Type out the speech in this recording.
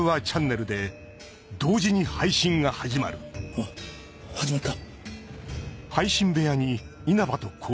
あっ始まった。